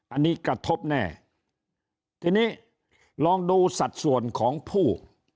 อันนี้กระทบแน่ทีนี้ลองดูสัดส่วนของผู้